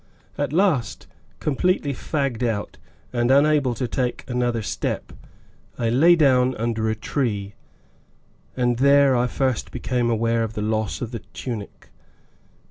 At last, completely fagged out, and unable to take another step, I lay down under a tree, and there I first became aware of the loss of the tunic.